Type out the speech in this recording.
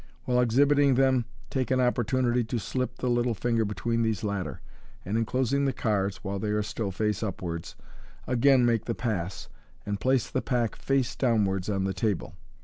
While exhibiting them, take an opportunity to slip the little finger between these latter, and in closing the cards (while they are still face upwards), again make the pass, and place the pack face downwards on the table.